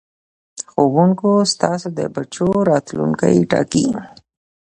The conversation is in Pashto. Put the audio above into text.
ښوونکو ستاسو د بچو راتلوونکی ټاکي.